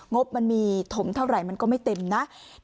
งบมันมีถมเท่าไหร่มันก็ไม่เต็มนะ